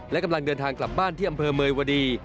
และกำลังเดินทางกลับบ้านที่อำเภอเมยวดี